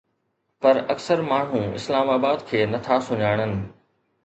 پر اڪثر ماڻهو اسلام آباد کي نٿا سڃاڻن